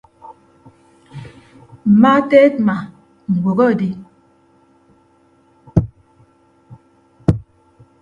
Mma teedma ñwokedi.